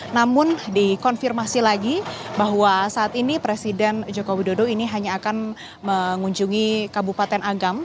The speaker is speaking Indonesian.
namun dikonfirmasi lagi bahwa saat ini presiden joko widodo ini hanya akan mengunjungi kabupaten agam